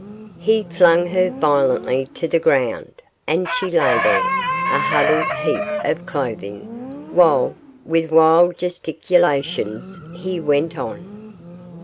He flung her violently to the ground, and she lay there, a huddled heap of clothing, while, with wild gesticulations, he went on.